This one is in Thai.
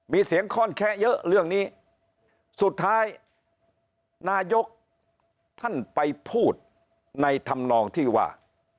มีเสียงค่อนแคะเยอะเรื่องนี้สุดท้ายนายกท่านไปพูดในธรรมนองที่ว่า